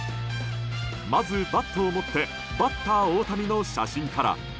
まず、バットを持ってバッター大谷の写真から。